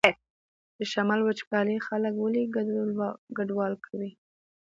د شمال وچکالي خلک ولې کډوال کوي؟